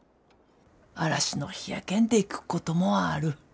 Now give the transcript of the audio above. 嵐の日やけんでくっこともある。